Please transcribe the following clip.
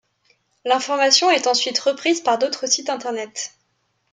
L'information est ensuite reprise par d'autres sites Internet.